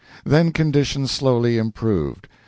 Then conditions slowly improved.